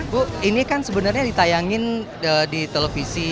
bu ini kan sebenarnya ditayangin di televisi